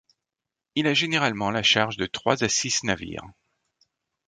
Il a généralement la charge de trois à six navires.